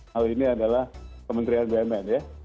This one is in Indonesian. hal ini adalah kementerian bumn ya